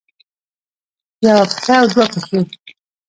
يوه پښه او دوه پښې